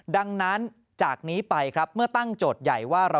ดังนั้นจากนี้ไปครับเมื่อตั้งโจทย์ใหญ่ว่า